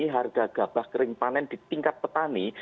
harga gabah kering panen di tingkat petani